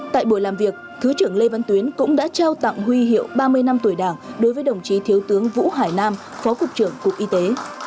tại buổi làm việc thứ trưởng lê văn tuyến cũng đã trao tặng huy hiệu ba mươi năm tuổi đảng đối với đồng chí thiếu tướng vũ hải nam phó cục trưởng cục y tế